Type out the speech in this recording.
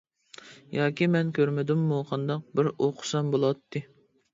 ياكى مەن كۆرمىدىممۇ قانداق؟ بىر ئوقۇسام بولاتتى.